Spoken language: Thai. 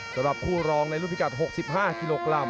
สำหรับคู่รองในรุ่นพิกัด๖๕กิโลกรัม